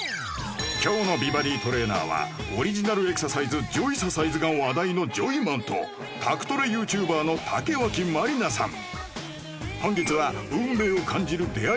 今日の美バディトレーナーはオリジナルエクササイズジョイササイズが話題のジョイマンと宅トレＹｏｕＴｕｂｅｒの竹脇まりなさん